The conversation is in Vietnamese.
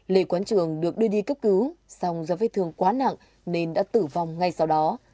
lê quán trường được đưa đi cấp cứu xong do vết thương quá nặng nên đã tử vong ngay sau đó